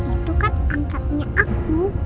itu kan angkatnya aku